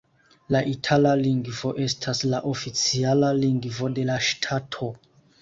La itala lingvo estas la oficiala lingvo de la ŝtato.